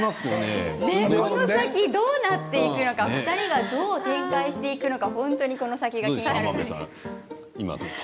この先どうなっていくのか２人がどう展開していくのか気になるんですけれども。